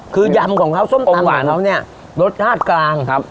คือยำของเขาส้มตำหวานเขาเนี่ยรสชาติกลางครับ